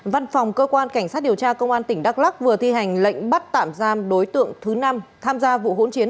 văn phòng cơ quan cảnh sát điều tra công an tỉnh đắk lắc vừa thi hành lệnh bắt tạm giam đối tượng thứ năm tham gia vụ hỗn chiến